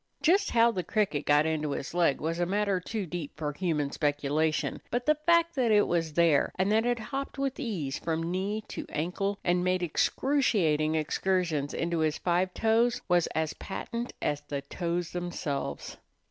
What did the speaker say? Just how the cricket got into his leg was a matter too deep for human speculation; but the fact that it was there, and that it hopped with ease from knee to ankle, and made excruciating excursions into his five toes, was as patent as the toes themselves.